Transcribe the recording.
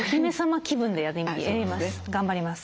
頑張ります。